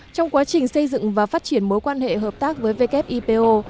trong quá trình xây dựng và phát triển mối quan hệ hợp tác với wipo